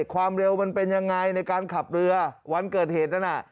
ความเร็วมันเป็นยังไงในการขับเรือวันเกิดเหตุนั้นน่ะ